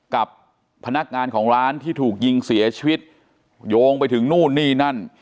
กับพนักงานของร้านที่ถูกยิงเสียชีวิตโยงไปถึงนู่นนี่นั่น